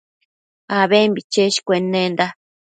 abembi cheshcuennenda